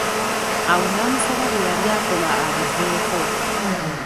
Awo n'amusaba bye yali akola abiveeko.